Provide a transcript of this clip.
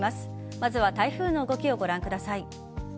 まずは台風の動きをご覧ください。